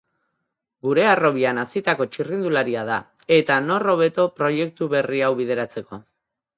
Gure harrobian hazitako txirrindularia da, eta nor hobeto proiektu berri hau bideratzeko.